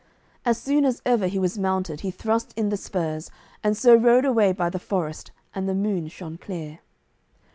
As soon as ever he was mounted he thrust in the spurs, and so rode away by the forest, and the moon shone clear.